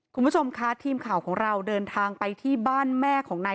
คุณผู้ชมค่ะทีมข่าวของเราเดินทางไปที่บ้านแม่ของนาย